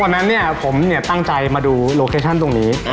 วันนั้นเนี่ยผมเนี่ยตั้งใจมาดูตรงนี้